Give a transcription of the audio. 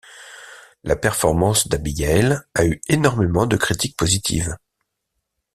La performance d'Abigail a eu énormément de critiques positives.